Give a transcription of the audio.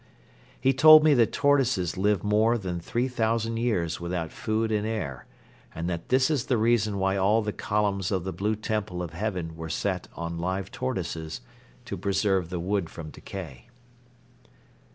He told me that tortoises live more than three thousand years without food and air and that this is the reason why all the columns of the blue Temple of Heaven were set on live tortoises to preserve the wood from decay.